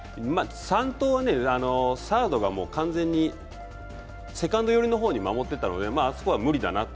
三盗、サードが完全にセカンドの方を守ってたんであそこは無理だなと。